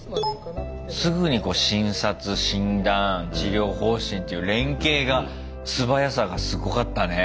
すぐに診察診断治療方針っていう連携が素早さがすごかったね。